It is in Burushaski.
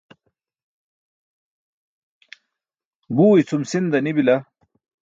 Guu icʰum sinda nibila